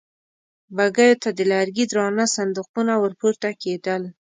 بګيو ته د لرګي درانه صندوقونه ور پورته کېدل.